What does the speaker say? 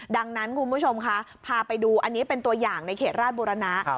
ดังนั้นคุณผู้ชมคะพาไปดูอันนี้เป็นตัวอย่างในเขตราชบุรณะ